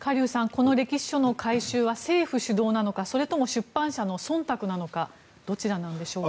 この歴史書の回収は政府主導なのかそれとも出版社のそんたくなのかどちらなんでしょうか。